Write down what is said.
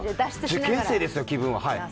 受験生ですよ、気分は。